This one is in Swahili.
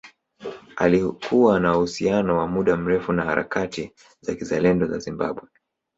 Alikuwa na uhusiano wa muda mrefu na harakati za kizalendo za Zimbabwe